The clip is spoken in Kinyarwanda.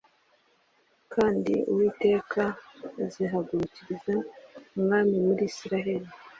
Kandi Uwiteka azihagurukiriza umwami muri Isirayeli